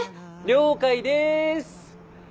了解です！